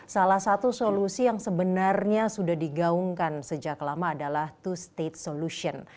salah satu solusi yang sebenarnya sudah digaungkan sejak lama adalah to state solution